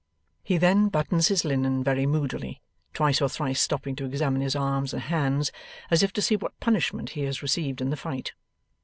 He then buttons his linen very moodily, twice or thrice stopping to examine his arms and hands, as if to see what punishment he has received in the Fight.